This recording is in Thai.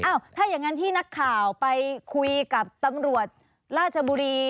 ถ้าอย่างนั้นที่นักข่าวไปคุยกับตำรวจราชบุรี